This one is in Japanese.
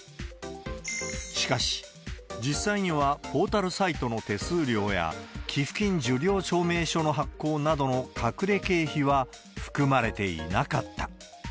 しかし、実際にはポータルサイトの手数料や、寄付金受領証明書の発行などの隠れ経費は含まれていなかった。